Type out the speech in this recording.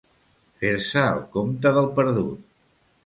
Fer-se el compte del perdut.